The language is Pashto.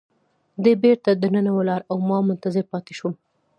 دی بیرته دننه ولاړ او ما منتظر پاتې شوم.